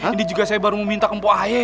ini juga saya baru mau minta kempo aye